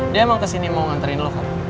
dia emang kesini mau nganterin loh kok